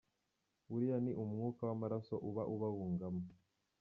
Uriya ni umwuka w’amaraso uba ubabungamo.